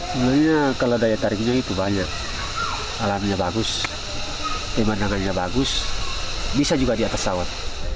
sebenarnya kalau daya tariknya itu banyak alamnya bagus teman temannya bagus bisa juga di atas awan